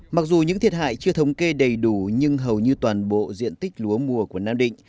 mặc dù những thiệt hại chưa thống kê đầy đủ nhưng hầu như toàn bộ diện tích lúa mùa của nam định